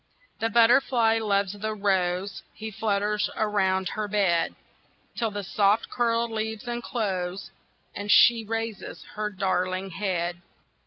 THE butterfly loves the rose, He flutters around her bed, Till the soft curled leaves unclose, And she raises her darling head.